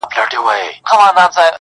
ستا شور به مي څنګه د صنم له کوڅې وباسي-